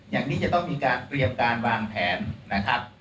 อย่างนี้จะต้องมีการเตรียมการวางแผนนะครับ